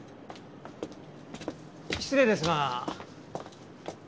失礼ですが。